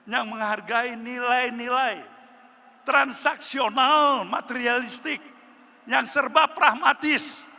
yang menghargai nilai nilai transaksional materialistik yang serba pragmatis